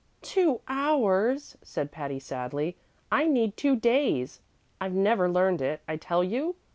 "Two hours!" said Patty, sadly. "I need two days. I've never learned it, I tell you.